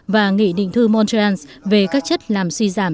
và nghị định thư montreal về các chất làm suy giảm